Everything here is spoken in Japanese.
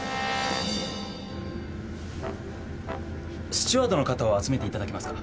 スチュワードの方を集めていただけますか？